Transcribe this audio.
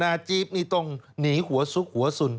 จี๊บนี่ต้องหนีหัวซุกหัวสุน